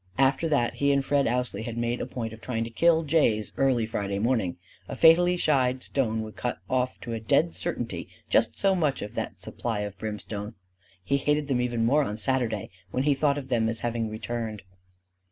After that he and Fred Ousley had made a point of trying to kill jays early Friday morning: a fatally shied stone would cut off to a dead certainty just so much of that supply of brimstone. He hated them even more on Saturday, when he thought of them as having returned.